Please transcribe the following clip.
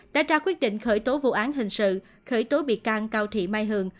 đã ra quyết định khởi tố vụ án hình sự khởi tố bị can cao thị mai hường